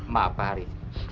maaf pak hari